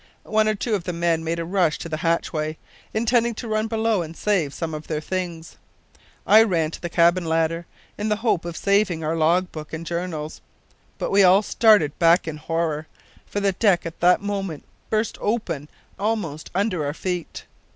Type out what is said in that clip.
One or two of the men made a rush to the hatchway, intending to run below and save some of their things. I ran to the cabin ladder in the hope of saving our log book and journals, but we all started back in horror, for the deck at that moment burst open almost under our feet.